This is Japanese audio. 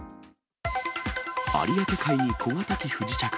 有明海に小型機不時着。